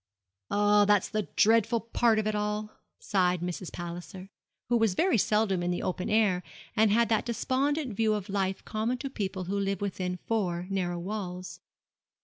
'Ah, that's the dreadful part of it all,' sighed Mrs. Palliser, who was very seldom in the open air, and had that despondent view of life common to people who live within four narrow walls.